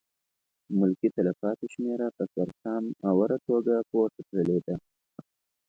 ملکي تلفاتو شمېره په سر سام اوره توګه پورته تللې ده.